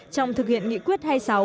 trong thực hiện nghị quyết hai mươi sáu